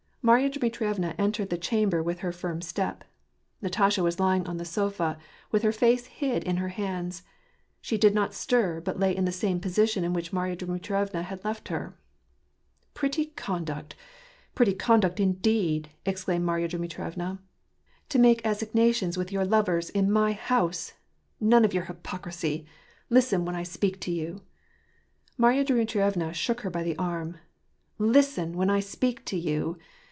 Marya Dmitrievna entered the chamber with a firm step. Natasha was lying on the sofa, with her face hid in her hands ; she did not stir, but lay in the same position in which Maiya Dmitrievna had left her. " Pretty conduct ; pretty conduct, indeed !" exclaimed Marya Dmitrievna. " To make assignations with your lovers in my house ! None of your hypocrisy ! Listen when I speak to you !" Marya Dmitrievna shook her by tht arm. " Listen, when I speak to you